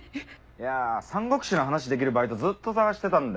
いや『三国志』の話できるバイトずっと探してたんだよ。